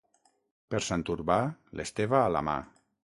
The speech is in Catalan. Per Sant Urbà, l'esteva a la mà.